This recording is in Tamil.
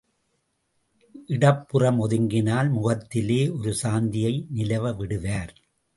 இடப்புறம் ஒதுங்கினால் முகத்திலே ஒரு சாந்தியை நிலவ விடுவார்.